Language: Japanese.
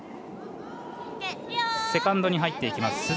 セカンドに入っていきます。